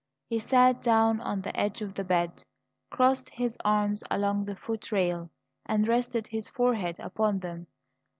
He sat down on the edge of the bed, crossed his arms along the foot rail, and rested his forehead upon them.